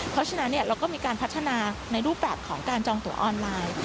เพราะฉะนั้นเราก็มีการพัฒนาในรูปแบบของการจองตัวออนไลน์